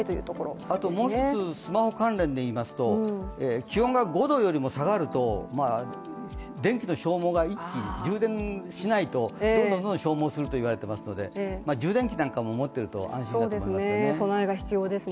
あともう一つ、スマホ関連でいいますと気温が５度よりも下がると電気の消耗が一気に、充電しないとどんどん消耗すると言われていますので充電器なんかも持っていると安心かと思いますね。